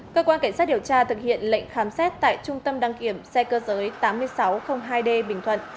cơ quan cảnh sát điều tra thực hiện lệnh khám xét tại trung tâm đăng kiểm xe cơ giới tám nghìn sáu trăm linh hai d bình thuận